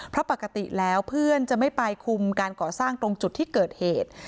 เพราะปกติแล้วเพื่อนจะไม่ไปคุมการก่อสร้างตรงจุดที่เกิดเหตุ